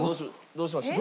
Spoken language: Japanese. どうしました？